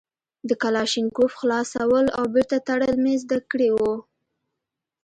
د کلاشينکوف خلاصول او بېرته تړل مې زده کړي وو.